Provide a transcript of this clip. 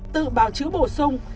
tự bào chữ bổ sung